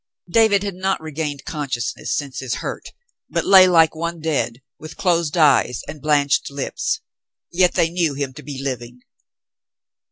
David had not regained consciousness since his hurt, but lay like one dead, with closed eyes and blanched lips ; yet they knew him to be living.